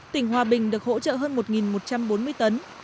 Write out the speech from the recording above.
tỉnh hòa bình được hỗ trợ hơn một một trăm bốn mươi tấn